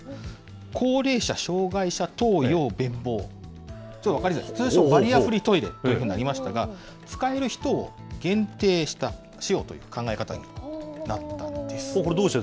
高齢者障害者等用便房、ちょっと分かりづらいですが、通称、バリアフリートイレというふうになりましたが、使える人を限定使用という考え方になったんです。